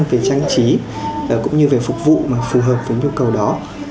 về trang trí cũng như về phục vụ mà phù hợp với nhu cầu đó